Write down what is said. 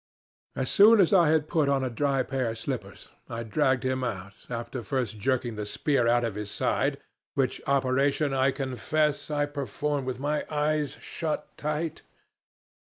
As soon as I had put on a dry pair of slippers, I dragged him out, after first jerking the spear out of his side, which operation I confess I performed with my eyes shut tight.